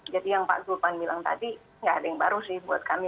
jadi yang pak zulfan bilang tadi nggak ada yang baru sih buat kami